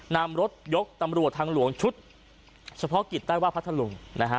นำรถยกตำรวจทางหลวงชุดเฉพาะกิจใต้ว่าพัทธลุงนะฮะ